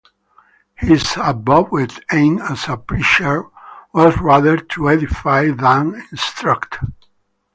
His avowed aim as a preacher was rather to edify than instruct.